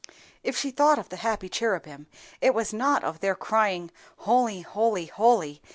If she thought of the happy cherubim, it was not of their crying "Holy, holy, holy!"